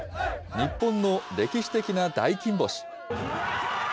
日本の歴史的な大金星。